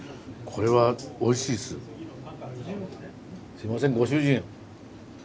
すいませんご主人。